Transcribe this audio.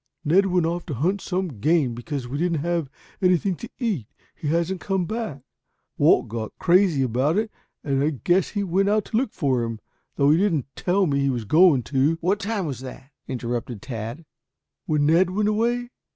"Ned went off to hunt some game because we didn't have anything to eat. He hasn't come back. Walt got crazy about it and I guess he went out to look for him, though he didn't tell me he was going to " "What time was that?" interrupted Tad. "When Ned went away?"